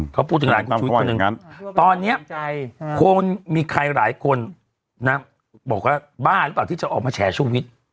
เขาพูดถึงหลานคุณชุวิตคนตอนนี้มีใครหลายคนบอกว่าบ้าหรือเปล่าที่จะออกมาแชร์ชุวิต